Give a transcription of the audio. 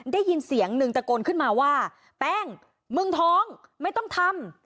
ได้ยินเสียงหนึ่งตะโกนขึ้นมาว่าแป้งมึงท้องไม่ต้องทำ